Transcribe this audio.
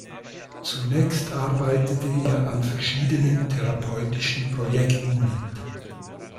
Zunächst arbeitete er an verschiedenen therapeutischen Projekten mit.